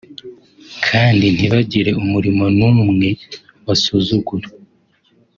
kandi ntibagire umurimo n’umwe basuzugura